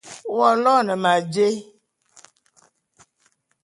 W'aloene ma jé?